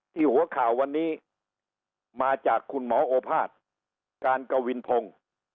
หัวข่าววันนี้มาจากคุณหมอโอภาษย์การกวินพงศ์